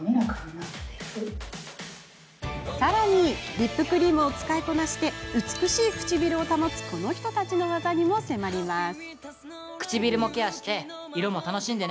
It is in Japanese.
さらに、リップクリームを使いこなして美しい唇を保つこの人たちの技にも迫ります。